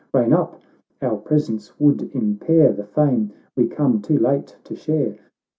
Rein up; our presence would impair The fame we come too late to share."